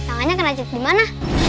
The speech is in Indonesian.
bang tangannya kena jatuh dimana